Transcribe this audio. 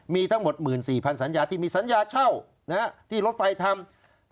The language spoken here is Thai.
มีทั้งหมด๑๔๐๐สัญญาที่มีสัญญาเช่าที่รถไฟทำ